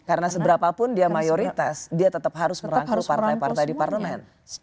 karena seberapapun dia mayoritas dia tetap harus merangkul partai partai di parlemen